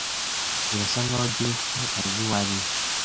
Birasa nkaho Jeff azi uwo ari we.